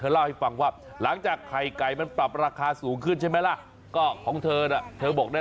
เล่าให้ฟังว่าหลังจากไข่ไก่มันปรับราคาสูงขึ้นใช่ไหมล่ะก็ของเธอน่ะเธอบอกนะ